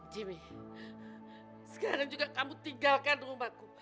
jimmy sekarang juga kamu tinggalkan rumahku